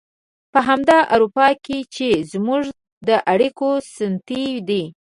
په همدغه اروپا کې چې زموږ د اړيکو ستنې دي.